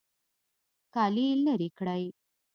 کالي لرې کړئ